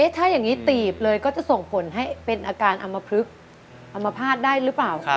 ถ้าอย่างนี้ตีบเลยก็จะส่งผลให้เป็นอาการอำมพลึกอำมภาษณ์ได้หรือเปล่า